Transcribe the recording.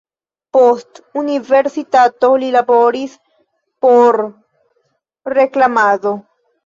Post universitato li laboris por reklamado.